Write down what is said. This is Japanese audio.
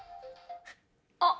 あっ！